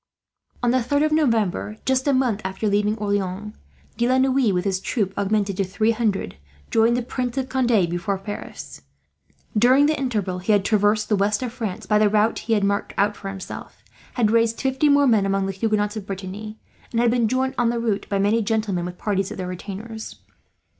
On the third of November, just a month after leaving Orleans, De La Noue, with his troop augmented to three hundred, joined the Prince of Conde before Paris. During the interval, he had traversed the west of France by the route he had marked out for himself, had raised fifty more men among the Huguenots of Brittany, and had been joined on the route by many gentlemen with parties of their retainers.